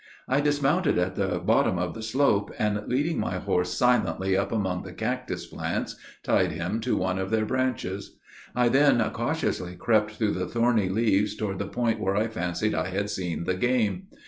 I dismounted at the bottom of the slope, and leading my horse silently up among the cactus plants, tied him to one of their branches. I then cautiously crept through the thorny leaves toward the point where I fancied I had seen the game.